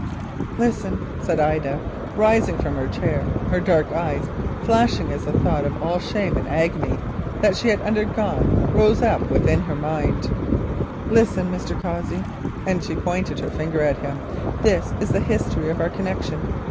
"Listen," said Ida, rising from her chair, her dark eyes flashing as the shadow of all the shame and agony that she had undergone rose up within her mind. "Listen, Mr. Cossey," and she pointed her finger at him; "this is the history of our connection.